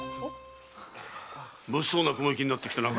物騒な雲行きになってきたな頭。